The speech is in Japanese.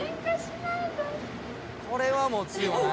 ・これは持つよな。